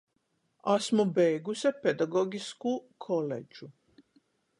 Asmu beiguse pedagogiskū koledžu.